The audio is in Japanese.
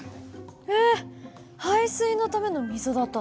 えっ排水のための溝だったの？